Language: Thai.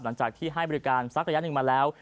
หลังจากที่ให้บริการสักระยะหนึ่งมาแล้ว